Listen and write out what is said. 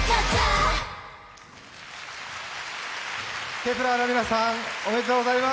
Ｋｅｐ１ｅｒの皆さん、おめでとうございます。